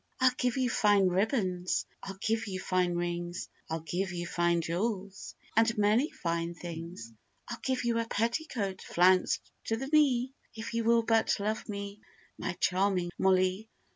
'I'll give you fine ribbons, I'll give you fine rings, I'll give you fine jewels, and many fine things; I'll give you a petticoat flounced to the knee, If you will but love me, my charming Mollee!